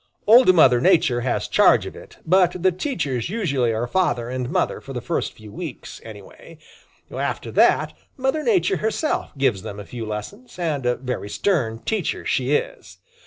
Old Mother Nature has charge of it, but the teachers usually are father and mother for the first few weeks, anyway. After that Old Mother Nature herself gives them a few lessons, and a very stern teacher she is.